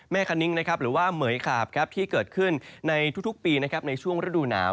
คณิ้งหรือว่าเหมือยขาบที่เกิดขึ้นในทุกปีในช่วงฤดูหนาว